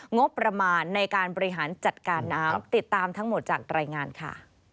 งบประมาณในการบริหารจัดการน้ำติดตามทั้งหมดจากรายงานค่ะ